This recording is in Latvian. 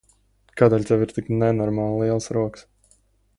Kādēļ tev ir tik nenormāli lielas rokas?